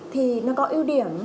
thì nó có ưu điểm